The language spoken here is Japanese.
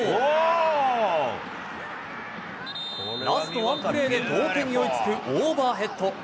ラストワンプレーで同点に追いつくオーバーヘッド。